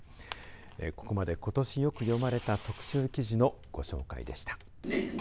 ここまで、ことしよく読まれた特集記事のご紹介でした。